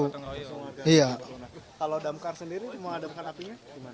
kalau damkar sendiri semua ada apinya